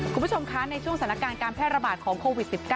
คุณผู้ชมคะในช่วงสถานการณ์การแพร่ระบาดของโควิด๑๙